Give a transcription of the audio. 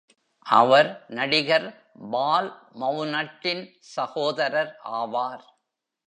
அவர் நடிகர் பால் மவுனட்டின் சகோதரர் ஆவார்.